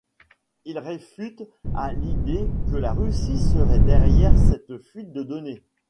Ils réfutent à l'idée que la Russie serait derrière cette fuite de données.